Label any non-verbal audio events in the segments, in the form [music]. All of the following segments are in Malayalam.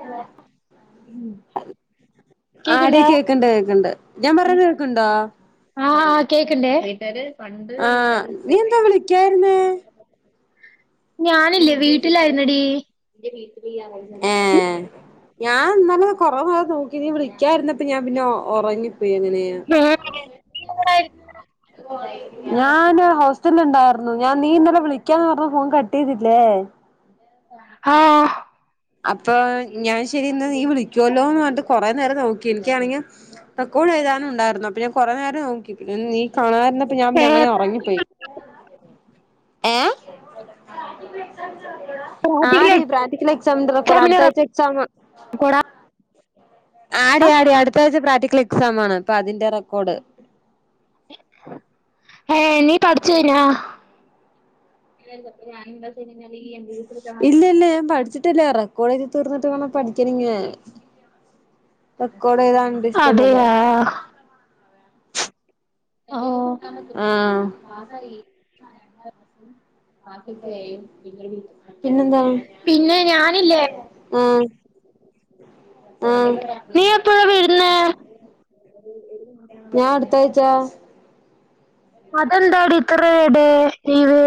ഹലോ. ആടി കേക്കണ്ട് കേൾക്കണ്ട് ഞാൻ പറയണ കേൾക്കണ്ടോ? ആഹ് ആ് കേക്കണ്ടേ. ആ നീ എന്താ വിളിക്കായിരുന്നേ ഞാനില്ലേ വീട്ടിലായിരുന്നടി. ഏ ഞാൻ ഇന്നലെ കുറവെ നോക്കി നീ വിളിക്കാരുന്നപ്പ ഞാൻ പിന്നെ ഒറങ്ങി. പിന്നെങ്ങനെയാ ഞാന് ണ്ടായിരുന്നു ഞാൻ നീ ഇന്നലെ വിളിക്കാന്ന് പറഞ്ഞ ഫോൺ കട്ടി തില്ലേ. ആഹ്. അപ്പൊ ഞാൻ ശെരി ഇന്ന് നീ വിളിക്കുവല്ലോ എന്ന് പറഞ്ഞിട്ട് കൊറെേ നേരം നോക്കി എനിക്കാണെങ്കി റെക്കോഡ് എഴുതാനുണ്ടായിരുന്നു അപ്പഞാൻ കൊറെ നേരം നോക്കി പിന്നെ നീ കാണാതിരുന്നപ്പോ ഞാൻ ഏഹ് പിന്നെങ്ങനെ ഉറങ്ങിപ്പോയി. ഏ പ്രാക്ടിക്കൽ ആടീ പ്രാക്റ്റിക്കൽ എക്സാമിന്റ റെക്കോഡ് എക്സാമിന് അടുത്ത ആഴ്ച എക്സാം. റെക്കോർഡാ ആടി ആടി അടുത്ത ആഴ്ച പ്രാക്ടിക്കൽ എക്സാം ആണ് ഇപ്പൊ അതിന്റെറെ റെക്കോർഡ്. ഏഹ് നീ പഠിച് കഴിഞ്ഞാ? ഞാൻ എന്താ ചെയ്യണോന്നറി ഇല്ലില്ല ഞാൻ പഠിച്ചിട്ടില്ല. റെക്കോഡ് എഴുതി തീർന്നിട്ട് വേണം പഠിക്കാൻ പിന്നേ റെക്കോർഡ് എഴുതാനുണ്ട് ഇഷ്ടം പോലെ. അതെയാ ഓഹ് ആഹ് [unintelligible] പാസായി. [unintelligible] പിന്നെന്താണ് പിന്നെ ഞാനില്ലേ. ആഹ് ആഹ് നീ എപ്പോഴാ വരുന്നെ? ഞാൻ അടുത്താഴ്ച [unintelligible] അതെ. ന്താടി ഇത്ര ഡെ ലീവ്?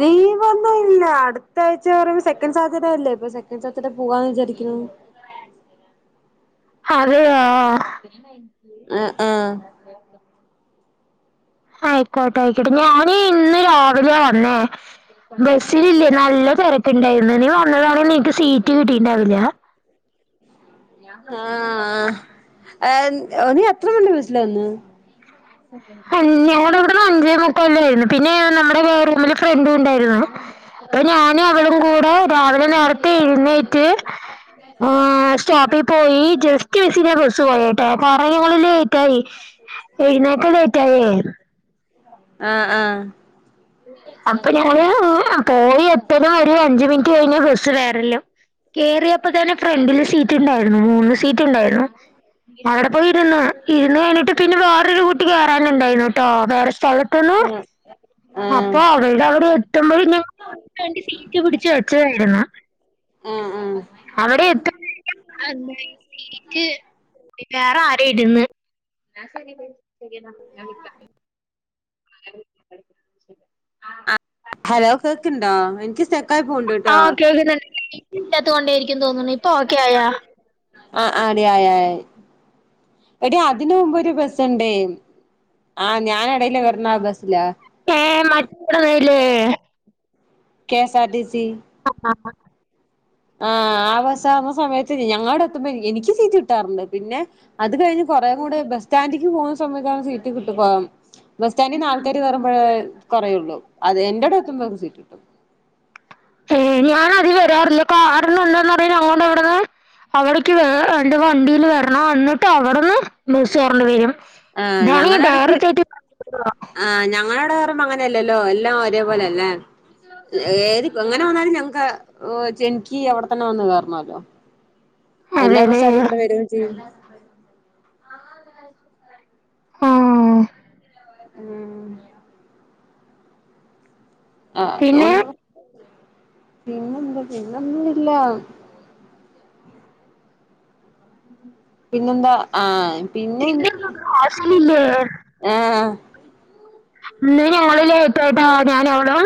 ലീവൊന്നുമില്ല. അടുത്ത ആഴ്ചാന്ന് പറയുമ്മേ സെക്കൻഡ് സാറ്റർഡെ അല്ലേ. ഈ സാറ്റർഡെ പോവാന്ന് വിചാരിക്കുന്നു. അതെയോ ആഹ് ആഹ് ആയിക്കോട്ടെ ആയിക്കോട്ടെ. ഞാന് ഇന്ന് രാവിലെയാ വന്നേ. ബസ്സിലില്ലേ നല്ല തിരക്ക്ണ്ടായിരുന്നു. നീ വന്നതാണെങ്കിൽ നിനക്ക് സീറ്റ് കിട്ടിയിട്ട്ണ്ടാവില്ല. ആഹ് ഏഹ് നീ എത്ര മണി വിളിച്ചില്ലേ അന്ന് ഞങ്ങള് ഇവിടെന്ന് അഞ്ചേ മുക്കാല്ലായിരുന്നു. പിന്നെ നമ്മുടെ വേറെമ്മില് ഫ്രണ്ടുണ്ടായിരുന്നു. അപ്പൊ ഞാനും അവളും കൂടെ രാവിലെ നേര ത്തെ എഴുന്നേറ്റ് ഉം സ്റ്റോപ്പി പോയി ജസ്റ്റ് മിസ്സിനാ ബസ് പോയട്ടെ. കാരണം ഓള് ലേറ്റ് ആയി എഴുന്നേക്കാൻ ലേറ്റ് ആയേ. ആഹ് ആഹ് അപ്പൊ ഞാന് പോയി എത്തലും ഒരു അഞ്ചു മിനിറ്റ് കഴിഞ്ഞാ ബസ്സ് വരലും. കേറിയപ്പോ തന്നെ ഫ്രണ്ടില് സീറ്റുണ്ടായിരുന്നു. മൂന്ന് സീറ്റുണ്ടായിരുന്നു. അവിടെ പോയി ഇരുന്ന്. ഇരുന്ന് കഴിഞ്ഞിട്ട് പിന്നെ വേറൊരു കൂട്ടി കേറാനുണ്ടായിരുന്നൂട്ടോ വേറെ സ്ഥലത്ത്ന്ന്. ആഹ് ആഹ് അപ്പൊ അവളുടെ അവിടെ എത്തുമ്പഴേ ഞാൻ അവക്ക് വേണ്ടി സീറ്റ് പിടിച്ചു വെച്ചതാരുന്നു. ആഹ് ആഹ് അവിടെ എത്തുമ്പോഴേക്കും സീറ്റ് വേറെ ആരോ ഇര്ന്ന്. എന്നാ ശരി ഡി ശരി എന്നാ പിന്നെ വിളിക്കാം. ആഹ് [unintelligible] ഹലോ കേക്ക്ണ്ടോ? എനിക്ക് സ്റ്റക്കായി പോണ്ടുട്ടാ. റേഞ്ച് ഇല്ലാത്ത കൊണ്ടേയിരിക്കുന്ന് തോന്നണ്. ഇപ്പ ഓക്കെ ആയാ? ആഹ് ആയടി ആയി ആയി. എടി അതിന് മുമ്പ് ഒരു ബസുണ്ടെ. ആഹ് ഞാൻ എടയില് വരുന്ന ആ ബസിലാ. ആണില്ലേ K S R T C [unintelligible] ആഹ് ആ ബസാവുമ്മ സമയത്ത് ഞങ്ങളെ അവിടെ എത്തുമ്പോ എനിക്ക് സീറ്റ് കിട്ടാറുണ്ട്. പിന്നെ അത് കഴിഞ്ഞ് കൊറേ കൂടെ ബസ് സ്റ്റാൻഡ്ക്ക് പോകുന്ന സമയത്താണ് സീറ്റ് കിട്ടാ പോകും. ബസ് സ്റ്റാൻഡിന്ന് ആൾക്കാര് കേറുമ്പഴേ കൊറയുള്ളൂ. അത് എന്റെ അവിടെ എത്തുമ്പോക്ക് സീറ്റു കിട്ടും. ഏയ് ഞാന് അതിൽ വരാറില്ല. കാരണം എന്തന്നറിയോ ഞങ്ങളെ ഇവിടെന്ന് അവിടക്ക് വേ രണ്ട് വണ്ടിയിൽ വരണം. എന്നിട്ട് അവിടന്ന് ബസ് കേറണ്ടി വരും. ആഹ് അതാണ് ഈ ഞങ്ങളടക്ക് ഡയറക്റ്റായിട്ട് ആഹ് ഞങ്ങടവിടെ അങ്ങനെയല്ലല്ലോ എല്ലാം ഒരേപോലെല്ലേ. ഏത് എങ്ങനെ വന്നാലും ഞങ്ങക്ക് ഓഹ് ച്ചി എനിക്ക് അവിടെത്തന്നെ വന്ന് കേറണോല്ലോ. എല്ലാ അതെല്ലേ ബസും അതിലെ കൂടെ വരുകയും ചെയ്യും. ആഹ് ഉം ആഹ് പിന്നെ [unintelligible] പിന്നെന്താ പിന്നൊന്നുല്ല. പിന്നെന്താ ആഹ് പിന്നെ [unintelligible] ഹോസ്റ്റലില്ലേ? ആഹ് ഇന്ന് ഞങ്ങള് ലോറ്റായിട്ടാ ഞാനും അവളും.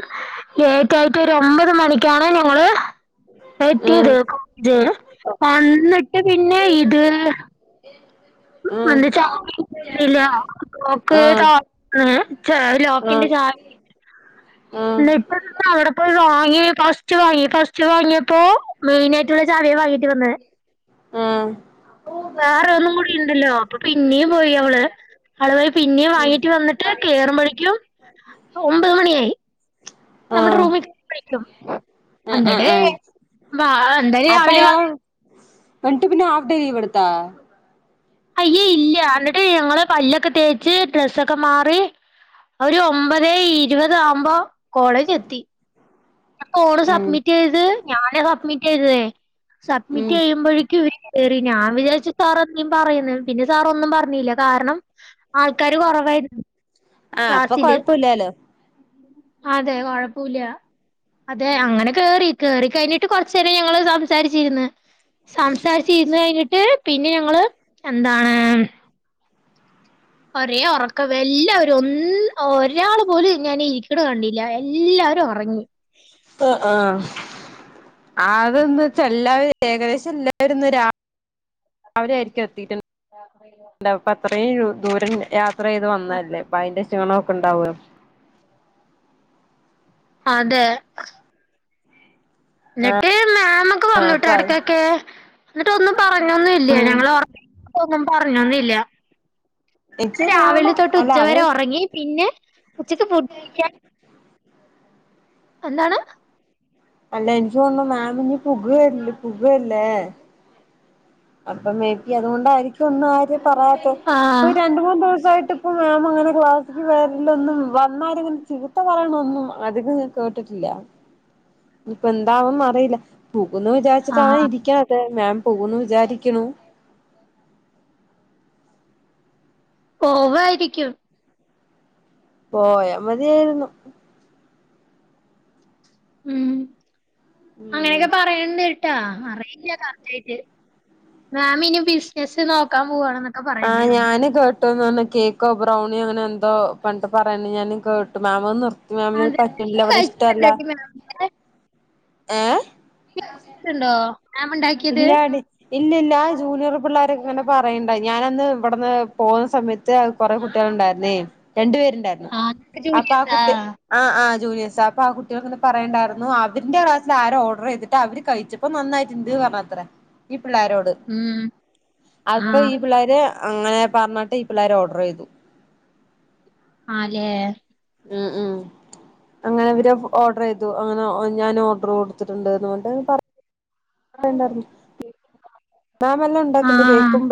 ലേറ്റായിട്ട് ഒരു ഒമ്പത് മണിക്കാണ് ഞങ്ങള് ഉം എത്തിയത് [unintelligible] വന്നിട്ട് പിന്നെ ഇത് ഏഹ് ആഹ് [unintelligible] ഏഹ് ലോക്കിന്റെ ആഹ് ച ആഹ് ആഹ് ലിപ്പ് അവിടെപ്പോയി വാങ്ങി ഫസ്റ്റ് വാങ്ങി ഫസ്റ്റ് വാങ്ങിയപ്പോ മെയിനായിട്ടുള്ള ചാവിയെ വാങ്ങിട്ട് വന്നത് ആഹ് വേറെന്നും കൂടിണ്ടല്ലോ അപ്പൊ പിന്നെയും പോയി അവള് അത് പിന്നേ വാങ്ങീട്ട് വന്നിട്ട് കേറുമ്പോഴേക്കും ഒമ്പത് മണിയായി നമ്മുടെ ആഹ് റൂമിൽക്കും ആഹ് അങ്ങനെ ആഹ് വ എന്തായാലും അപ്പൊ രാവിലെ അയാള് എന്നിട്ട് പിന്നെ ഹാഫ് ഡേ ലീവ് എടുത്താ അയ്യേ ഇല്ല എന്നിട്ട് ഞങ്ങള് പല്ലൊക്കെ തേച്ച് ഡ്രസ്സൊക്കെ മാറി ഒരു ഒമ്പതെ ഇരുപത് ആകുമ്പോ കോളേജ് എത്തി ഫോണ് ഉം സബ്മിറ്റ് ചെയ്തത് ഞാന സബ്മിറ്റ് ചെയ്തത് സബ്മിറ്റ് ഉം ചെയ്യുമ്പോഴേക്കും ഇവര് കയറി ഞാൻ വിചാരിച്ചു സാർ എന്തേലും പറയുന്നു പിന്നെ സാറന്നും പറഞ്ഞില്ല കാരണം ആൾക്കാര് കൊറവായിരുന്നു ആഹ് അപ്പൊ ക്ലാസ്സില് കൊഴപ്പല്ലല്ലോ അതെ കൊഴപ്പല്ല അതെ അങ്ങനെ കേറി കേറി കഴിഞ്ഞിട്ട് കൊറചെരം ഞങ്ങള് സംസാരിച്ചിരുന്ന് സംസാരിചിരിന്ന് കഴിഞ്ഞിട്ട് പിന്നെ ഞങ്ങള് എന്താണ് ഒരേ ഒറക്കം എല്ലാവരും ഒന്ന് ഒരാള് പോലും ഞാൻ ഇരിക്കിണ് കണ്ടില്ല എല്ലാവരും ഒറങ്ങി ആഹ് ആഹ് അതന്ന്ച്ച എല്ലാരും ഏകദേശം എല്ലാവരുംന്നും രാ. അവര ആയിരിക്കും എത്തിയിട്ടുണ്ട് [unintelligible] അപ്പത്രയും ദൂരം യാത്ര ചെയ്ത് വന്നല്ലേ അപ്പയ്ന്റെ ക്ഷിണ ഒക്കെ ഉണ്ടാവല്ലോ അതെ എന്നിട്ട് മാമൊക്കെ ആഹ് വന്നിട്ട് അപ്പൊ അത് എടക്കൊക്കെ എന്നിട്ടൊന്നും പറഞ്ഞൊന്നും ഇല്ല ഞങ്ങള് ഉറങ്ങിട്ട് ഒന്നും പറഞ്ഞൊന്നില്ല എനിക്ക് തോന്നണു രാവിലെ തൊട്ട് അല്ല അത് ഉച്ചവരെ ഒറങ്ങി പിന്നെ. ഉച്ചക്ക് എന്താണ് അല്ല എനിച്ചോ മാമ ഇനി പുക പുകല്ലേ അപ്പൊ മേബി അതുകൊണ്ടായിരിക്കും ഒന്നും ആര് പറയാത്ത ആഹ് രണ്ട മൂന്ന് ദിവസായിട്ട് ഇപ്പ മാം അങ്ങനെ ക്ലാസ്സിക്ക് വരല്ലൊന്നും എന്നാരിലും ചീത്ത പറയണൊന്നും അധികം കേട്ടിട്ടില്ല ഇപ്പ എന്താവാെന്ന് അറിയില്ല പോകുന്നു വിചാരിച്ചിട്ടാണ് ആഹ് ഇരിക്കാത്ത ത് മാം പോകുന്ന് വിചാരിക്കണ പോവായിരിക്കും പോയ മതിയായിരുന്നു ഉം ഉം അങ്ങനെയൊക്കെ പറയണ്ട് ട്ട അറിയില്ല കറക്റ്റ് ആയിട്ട് മാമിനി ആഹ് ഞാന് ട്ടന്ന് പറ കേക്കോ ബ്രൗണിയോ അങ്ങനെ എന്തോ പണ്ട് പറയ ഞാൻ കേട്ടു മാമോ മാമന് അതെ പറ്റില്ല നീ അവിടെ ഇഷ്ടമല്ല കഴിച്ചിട്ടുണ്ടോടി മാം ഏഹ് കഴിച്ചിട്ട് ഉണ്ടോ മാമ് ഉണ്ടാക്കിയത് ഇല്ല ഇല്ല ആഹ് ജൂനിയർ പിള്ളോരക്കെ ഇങ്ങനെ പറയണ്ട ഞാനന്ന് ഇവിടന്ന് പോകുന്ന സമയത്ത് ത്ത്‌ കുറെ കുട്ടിക്കൾ ഉണ്ടായിരുന്നേ രണ്ടു പേരുണ്ടായിരുന്നു ആഹ് നിനക്ക് അപ്പൊ ആഹ് ജൂലിയസാ കുട്ടി ആഹ് ആഹ് ജൂനിയേർസ അപ്പൊ ആന് കുട്ടികൾ ഇ പറയണ്ടായിരുന്നു അവന്റെ ക്ലാസിൽ ആര ഓർഡർ ചെയ്തിട്ട് അവര് കഴിച്ചിട്ട് ഇപ്പൊ നന്നായിട്ട്ണ്ട് പറഞ്ഞത്രേ ഈ പിള്ളോരോട് ഉം അപ്പൊ ആഹ് ഈ പിള്ളേര് അങ്ങനെ പറഞ്ഞിട്ട് ഈ പിള്ളേര് ഓർഡർ ചെയ്തു ആല്ലേ ആഹ് ആഹ് അങ്ങനെ ഇവര് ഓർഡർ ചെയ്തു അങ്ങനെ ഞാൻ ഓർഡർ കൊടുത്തിട്ടുണ്ട്ന്ന് പറഞ്ഞിട്ട് ണ്ടാരുന്നു മാമെല്ലാം ഉണ്ടാക്കുണ്ട് ആഹ് കേക്കും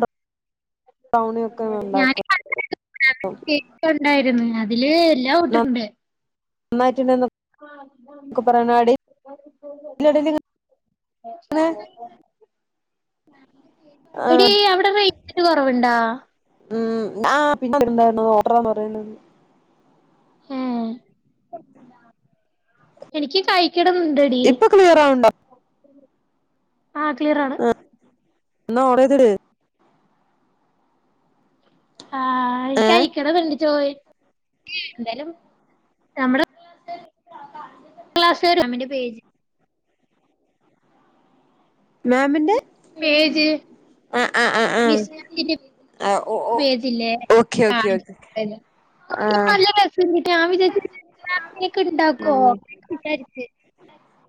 ബ്രൗണിയൊക്കെ ഉണ്ടാക്കും കേക്ക ഉണ്ടായിരുന്നു അതില് എല്ലാം കൂട്ടിട്ടുണ്ട് നന്നായിട്ടിന്നും ഇതിന്റെടേല് [unintelligible] എടി ആഹ് അവിടെ റൈഞ്ചിന്റെ കുറവുണ്ടാ ഉം പിന്നെണ്ടായിരുന്നു ഓഡറാണ് പറയണത് ഏഹ് എനിക്ക് കഴിക്കണംന്ന്ണ്ടടി ഇപ്പൊ ക്ലിയർ ആവുണ്ടോ ആഹ് ക്ലിയർ ആണ് ആഹ് എന്നാ ഓടയ്തിട്ട് ആഹ് എനി ഏഹ് കഴിക്കണണ്ട ചോയി എന്തായാലും നമ്മ [unintelligible] ക്ലാസ് വും മാമിന്റെ പേജ് മാമിന്റെ പേജ് വിസ് ആഹ് ഓ ഓ പേജില്ലേ ഓക്കെ ഓക്കെ ആഹ് ഓക്കെ ആഹ് [unintelligible] ഞാൻ വിജാരിച്ച് [unintelligible] ഉണ്ടാക്കോ ഉം വിചാരിച്ച്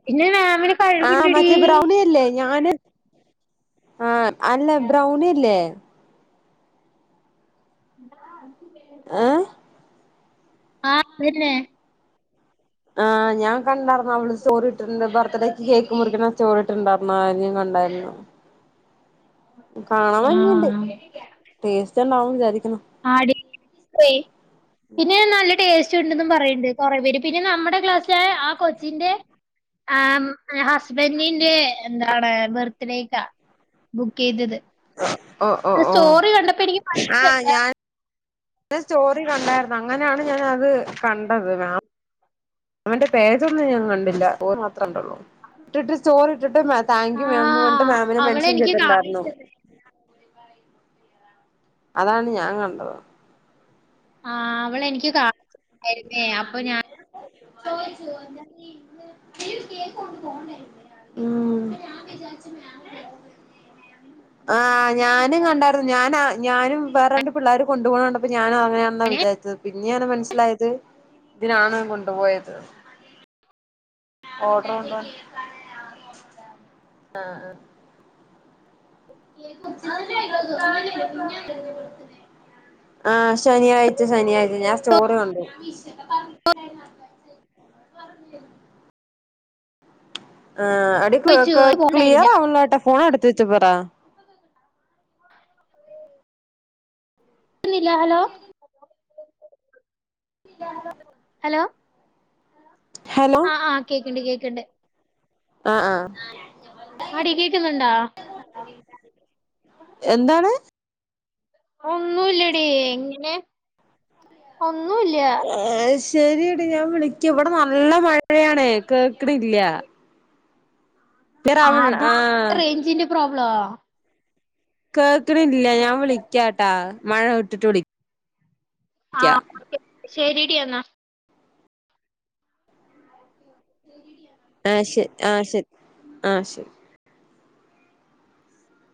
പിന്നെ മാമി ന് ആഹ് കഴിവുണ്ടടി മറ്റേ ബ്രൗണി അല്ലേ ഞാന് ആഹ് അല്ല ബ്രൗണിഇല്ലേ ഏഹ് ആഹ് അതന്നെ ആഹ് ഞാൻ കണ്ടായിന്നരുന്നു അവള് സ്റ്റോറിട്ട ന്ത ബർത്ത്ഡേക്ക് കേക്ക് മുറിക്കണ സ്റ്റോറിട്ടുണ്ടായിരുന്നു ഞാൻ കണ്ടായിരുന്നു കാണാൻ ഭംഗിയണ്ട് ടേസ്റ്റ് ഉണ്ടാവുംന്ന് വിചാരിക്കണു ആടി പോ പിന്നെ നല്ല ടേസ്റ്റ് ഉണ്ടു ന്ന് പറയണ്ട് കുറ പേര് പിന്നെ നമ്മുടെ ക്ലാസ്സിലെ ആ കൊച്ചിന്റെ ആഹ് അസ്സിന്റെ ബെന്നിൻ്റെ എന്താണ് ബർത്ത്ഡേക്കാ ബുക്ക് ചെയ്തത് ഓഹ് ഓഹ് ഓഹ് സ്റ്റോറി കണ്ടപ്പോ എനിക്ക് മനസ്സിലായി ആഹ് ഞാൻ സ്റ്റോറി കണ്ടായിരുന്നു അങ്ങനെയാണ് ഞാന അത് കണ്ടത് മാ അവന്റെ പേജൊന്നും ഞാൻ കണ്ടില്ല പോ മാത്രം കണ്ടള്ളൂ ഇട്ടിട്ട് സ്റ്റോറി ഇട്ടിട്ട് മാ താങ്ക് യു മാം പറഞ്ഞിട്ട് ആഹ് മാമിനെ മെൻഷൻ അവളെനിക്ക് ചെയ്തിട്ടണ്ടായിരുന്നു കാണിച്ച അതാണ് ഞാൻ കണ്ടത് ആഹ് അവള എനിക്ക് കാ യിരുന്നേ അപ്പൊ ഞാൻ [unintelligible] ആഹ് [unintelligible] [inaudible] ആഹ് ഞാനും കണ്ടായിരുന്നു ഞാനാ ഞാനും വേറെ രണ്ട് പിള്ളേർ കൊണ്ടു പോണ കണ്ടപ്പൊ ഞാനും അങ്ങനെയാെന്നാ ഞാന് വിചാരിച്ചത് പിന്നെയാണ് മനസ്സിലായത് ഇതിനാണ് കൊണ്ടുപോയത് ഓഡർണ്ട് ആഹ് [inaudible] ആഹ് ശനിയാഴ്ച ശനിയാഴ്ച ഞാൻ സ്റ്റോറി കണ്ടു ആഹ് അടിക് ചോയിച്ചു ക്ലിയർ പോണ്ടായിരുന്നേ ആവല്ല ട്ടാ ഫോൺ അട്ത്ത് വച്ച് പറാ ക്കുന്നില്ല ഹലോ [inaudible] ഹലോ ഹലോ ആഹ് ആഹ് കേക്ക്ണ്ട് കേക്ക്ണ്ട് ആആ. ആടി കേക്കുന്നുണ്ടാ? എന്താണ്? ഒന്നുയില്ലടി ഇങ്ങനെ ഒന്നുല്ല. ഏ, ശരിയടി ഞാൻ വിളിക്ക ഇവിടെ നല്ല മഴയാണ് കേക്കണില്ല. ക്ലിയർ ആ, ആവണില്ല അതാ റേഞ്ചിന്റെ പ്രോബ്ലാ. കേക്കണില്ല ഞാൻ വിളിക്കാട്ടാ മഴ വിട്ടിട്ട് വിളിക്ക. ശരിയടി എന്ന. ആ, ശ, ആ, ശ, ആ ശരി.